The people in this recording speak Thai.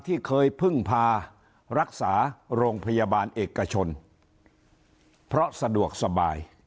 ที่เคยพึ่งพารักษาโรงพยาบาลเอกชนเพราะสะดวกสบาย